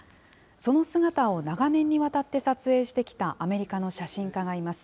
その姿を長年にわたって撮影してきたアメリカの写真家がいます。